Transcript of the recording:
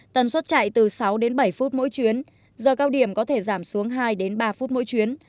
tần suất chạy từ sáu đến bảy phút mỗi chuyến giờ cao điểm có thể giảm xuống hai ba phút mỗi chuyến